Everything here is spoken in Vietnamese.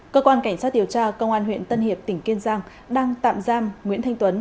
cơ quan cảnh sát điều tra công an huyện tân hiệp tỉnh kiên giang đang tạm giam nguyễn thanh tuấn